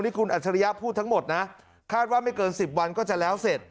คุณอัจฉริยะพูดทั้งหมดนะคาดว่าไม่เกิน๑๐วันก็จะแล้วเสร็จ